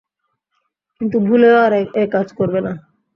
কিন্ত ভুলেও আর একাজ করবে না।